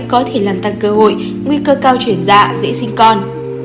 có thể làm tăng cơ hội nguy cơ cao chuyển dạ dễ sinh con